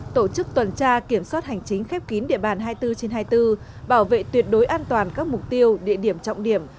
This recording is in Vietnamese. tổ chức tuần tra kiểm soát hành chính khép kín địa bàn hai mươi bốn trên hai mươi bốn bảo vệ tuyệt đối an toàn các mục tiêu địa điểm trọng điểm